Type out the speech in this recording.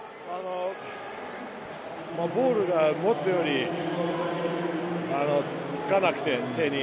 ボールが思ったよりつかなくて、手に。